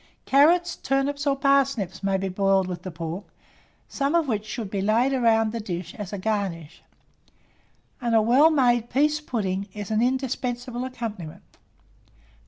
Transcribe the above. Carrots, turnips, or parsnips may be boiled with the pork, some of which should be laid round the dish as a garnish, and a well made pease pudding is an indispensable accompaniment.